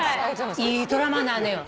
いいドラマなのよ。